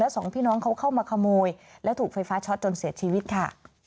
สองพี่น้องเขาเข้ามาขโมยแล้วถูกไฟฟ้าช็อตจนเสียชีวิตค่ะ